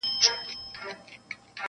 زما څه ليري له ما پاته سول خواږه ملګري,